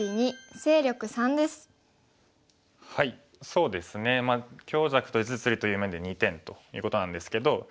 そうですねまあ強弱と実利という面で２点ということなんですけど。